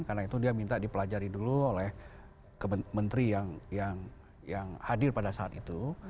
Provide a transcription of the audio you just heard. karena itu dia minta dipelajari dulu oleh menteri yang hadir pada saat itu